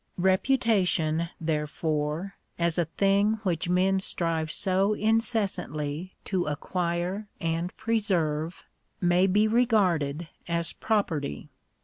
Beputation therefore, as a thing which men strive so inces santly to acquire and preserve, may be regarded as property.